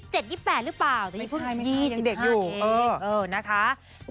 ๒๗๒๘หรือเปล่าไม่ใช่ยังเด็กอยู่